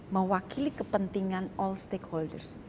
mewakili kepentingan all stakeholders